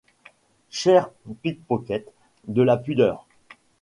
Chers pick-pockets, de la pudeur !